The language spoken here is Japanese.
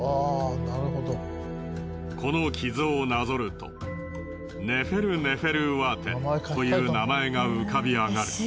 この傷をなぞるとネフェルネフェルウアテンという名前が浮かび上がる。